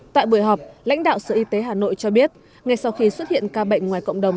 tại buổi họp lãnh đạo sở y tế hà nội cho biết ngay sau khi xuất hiện ca bệnh ngoài cộng đồng